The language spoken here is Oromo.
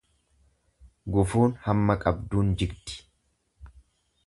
Gufuun hamma qabduun jigdi.